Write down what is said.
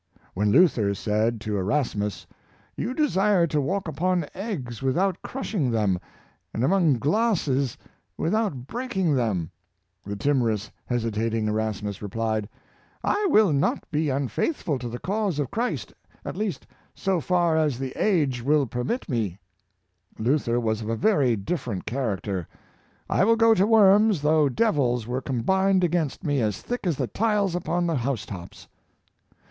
When Luther said Determined Effort. 275 to Erasmus, " You desire to walk upon eggs without crushing them, and among glasses without breaking them," the timorous, hesitating Erasmus replied, *' I will not be unfaithful to the cause of Christ, at least so far as the age will per 7mt fne^ Luther was of a very different character. " I will go to Worms though devils were combined against me as thick as the tiles upon the housetops."